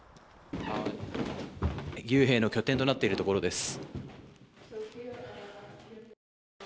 義勇兵の拠点となっているところです。